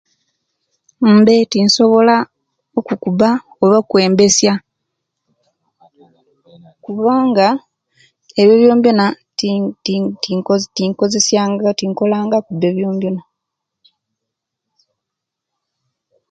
Mbe tinsobola okukuba oba okwembesya kubanga ebyo byobyona ti ti ti tinkozesa tinkozesa tinkola nga ku be byobyona